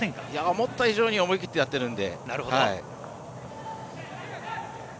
思った以上に思い切ってやってるので。